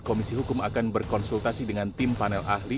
komisi hukum akan berkonsultasi dengan tim panel ahli